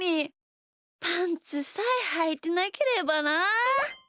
パンツさえはいてなければなあ。